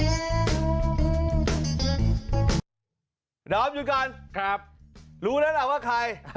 อะไรล่ะออกไปมันกันเถอะคุณพาลีนาคุณพาลีนารู้แล้วนะว่าใคร